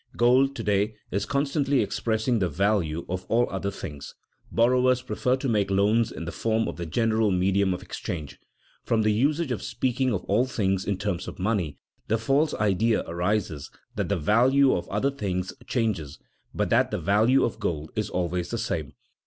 Gold to day is constantly expressing the value of all other things. Borrowers prefer to make loans in the form of the general medium of exchange. From the usage of speaking of all things in terms of money, the false idea arises that the value of other things changes, but that the value of gold is always the same.